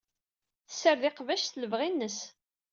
Tessared iqbac s lebɣi-nnes.